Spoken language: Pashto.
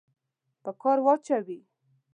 په کار واچوي.